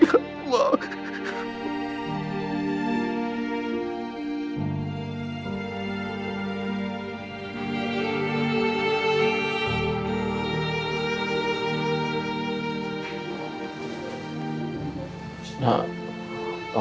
ya ampun mam